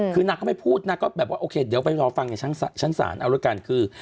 คือนางเขาไปพูดนางก็แบบว่าโอเคเหลือไปรอฟังในชั้นศาลเอาให้ด้วยกันคือ